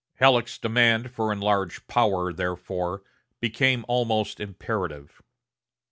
Halleck's demand for enlarged power, therefore, became almost imperative.